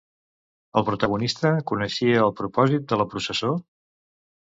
El protagonista coneixia el propòsit de la processó?